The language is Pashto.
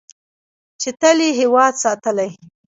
چې تل یې هیواد ساتلی.